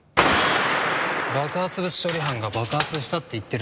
爆発物処理班が爆発したって言ってるんです。